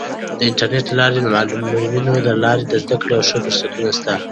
د انټرنیټ له لارې د معلولینو لپاره د زده کړې او ښه فرصتونه سته.